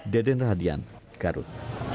deden radian garut